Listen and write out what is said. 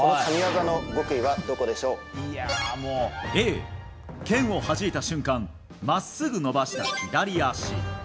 Ａ、剣をはじいた瞬間真っすぐ伸ばした左足。